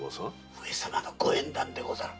上様のご縁談でござる。